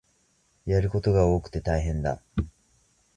やることが多くて大変だ